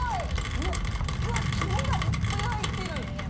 ◆うわっ肝がいっぱい入ってる！